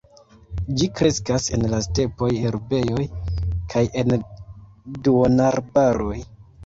Ĝi kreskas en la stepoj, herbejoj kaj en duonarbaroj.